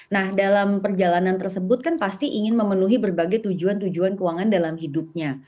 nah dalam perjalanan tersebut kan pasti ingin memenuhi berbagai tujuan tujuan keuangan dalam hidupnya